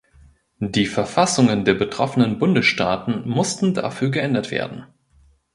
Die Verfassungen der betroffenen Bundesstaaten mussten dafür geändert werden.